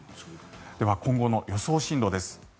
では、今後の予想進路です。